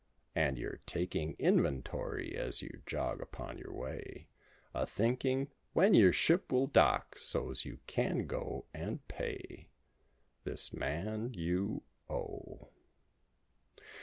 And you're taking inventory as you jog upon your way: A thinking "When your ship will dock" so's you can go and pay This man you owe.